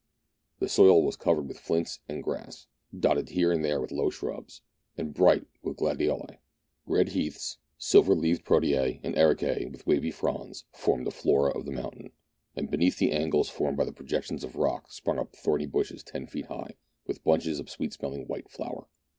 The soil was covered with flints and grass, dotted here and there with low shrubs, and bright with gladioli. Red heaths, silvery leaved protese, and ericae with wavy fronds, formed the flora of the moun tain, and beneath the angles formed by the projections of rock sprung up thorny bushes ten feet high, with bunches of a sweet smelling white flower.